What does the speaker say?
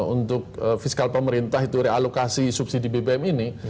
untuk fiskal pemerintah itu realokasi subsidi bbm ini